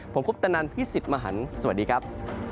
ผมคุปตนันพี่สิทธิ์มหันฯสวัสดีครับ